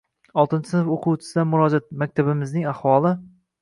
Oltinchi sinf o‘quvchisidan murojaat: «Maktabimizning ahvoli...»